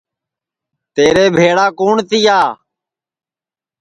تیرے بھیݪا کُوٹؔ تِیا